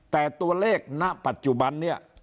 แต่ตัวเลขณปัจจุบันนี้